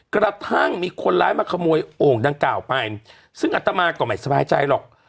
กระทั่งมีคนร้ายมาขโมยโอ่งดังกล่าวไปซึ่งอัตมาก็ไม่สบายใจหรอก